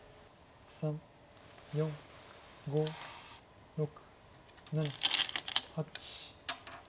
３４５６７８。